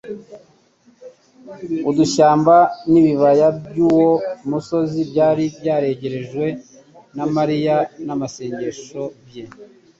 Udushyamba n'ibibaya by'uwo musozi byari byarejejwe n'amarira n'amasengesho bye.